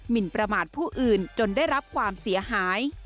นประมาทผู้อื่นจนได้รับความเสียหาย